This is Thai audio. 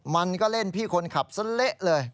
มันก็เล่นพี่คนขับซะเละเลย